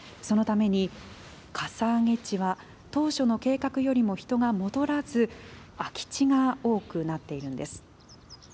そのために、かさ上げ地は当初の計画よりも人が戻らず、空き地が多くなっているんです。